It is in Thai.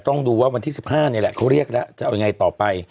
ต้องดูว่าวันที่๑๕นี่แหละเขาเรียกแล้วจะเอายังไงต่อไป